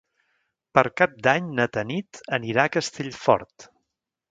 Per Cap d'Any na Tanit anirà a Castellfort.